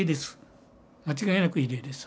間違いなく異例です